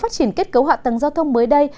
phát triển kết cấu hạ tầng giao thông mới đây